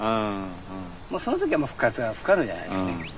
その時はもう復活は不可能じゃないですか。